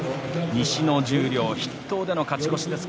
西の十両筆頭での勝ち越しです。